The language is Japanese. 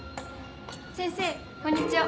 先生こんにちは。